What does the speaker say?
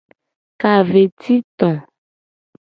Ka ve ci to.